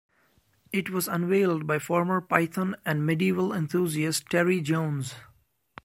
It was unveiled by former Python and medieval enthusiast Terry Jones.